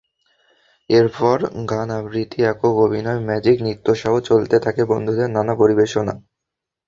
এরপর গান, আবৃত্তি, একক অভিনয়, ম্যাজিক, নৃত্যসহ চলতে থাকে বন্ধুদের নানা পরিবেশনা।